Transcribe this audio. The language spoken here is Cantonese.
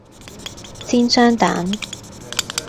煎雙蛋